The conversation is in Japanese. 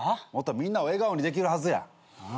みんなを笑顔にできるはずや。